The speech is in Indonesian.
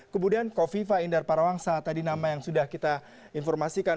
kemudian kofifa indar parawangsa tadi nama yang sudah kita informasikan